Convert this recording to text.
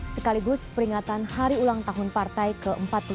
sekaligus peringatan hari ulang tahun partai ke empat puluh lima